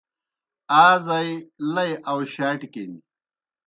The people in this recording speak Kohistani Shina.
آ زائی لئی آؤشاٹِیْ کِن۔